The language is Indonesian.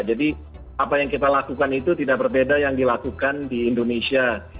jadi apa yang kita lakukan itu tidak berbeda yang dilakukan di indonesia